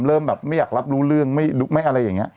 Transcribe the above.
เริ่มแบบไม่อยากรับรู้เรื่องไม่ลุกไม่อะไรอย่างนี้